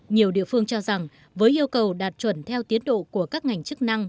nhiều địa phương cho rằng với yêu cầu đạt chuẩn theo tiến độ của các ngành chức năng